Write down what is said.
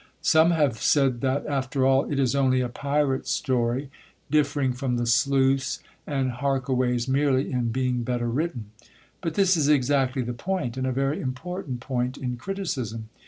Some have said that, after all, it is only a pirate story, differing from the Sleuths and Harkaways merely in being better written. But this is exactly the point, and a very important point, in criticism.